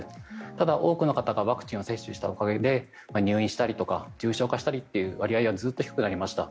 ただ、多くの方がワクチンを接種したおかげで入院したりとか重症化したりという割合がずっと低くなりました。